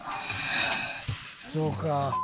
そうか。